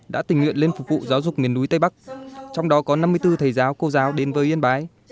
đã tình nguyện lên phục vụ giáo dục miền núi tây bắc trong đó có năm mươi bốn thầy giáo cô giáo đến với yên bái